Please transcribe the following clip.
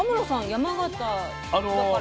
山形だから。